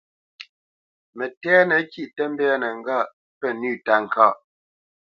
Mətɛ̂nə kîʼ tə mbɛ̂nə́ ŋgâʼ pə́ nʉ̂ táka.